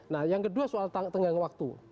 nah yang kedua soal tenggang waktu